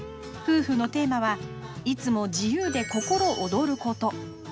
夫婦のテーマはいつも自由で心躍ること。